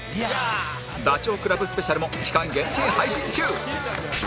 ダチョウ倶楽部スペシャルも期間限定配信中